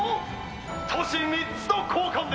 「都市３つと交換で！」